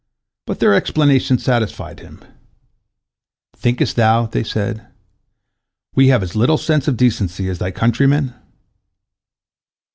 But their explanation satisfied him. "Thinkest thou," they said, "we have as little sense of decency as thy countrymen?"